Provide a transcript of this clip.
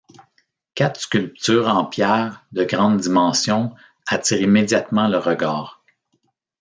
Quatre sculptures en pierre de grandes dimensions attirent immédiatement le regard.